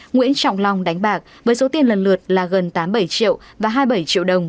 nguyễn trọng long đánh bạc với số tiền lần lượt là gần tám mươi bảy triệu và hai mươi bảy triệu đồng